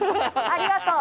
ありがとう。